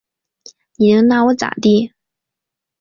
你能拿我咋地？